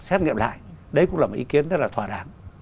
xét nghiệm lại đấy cũng là một ý kiến rất là thỏa đáng